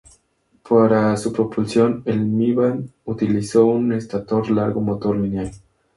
Para su propulsión, el M-Bahn utilizó un estator largo motor lineal.